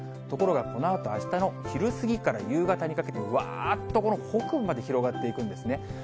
ところがこのあと、あしたの昼過ぎから夕方にかけて、わーっとこの北部まで広がっていくんですね。